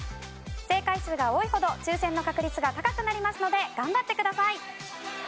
正解数が多いほど抽選の確率が高くなりますので頑張ってください！